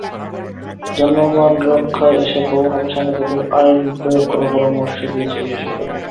জানমাল রক্ষায় এসব ভবন অপসারণে কঠোর আইন প্রয়োগ করার পরামর্শ দিয়েছেন বিশেষজ্ঞরা।